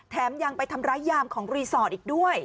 แถมยังไปทำร้ายยามของรีสอร์ทอีกด้วย